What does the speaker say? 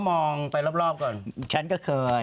มองไปรอบก่อนฉันก็เคย